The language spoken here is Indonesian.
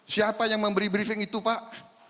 siapa yang memberi briefing itu pak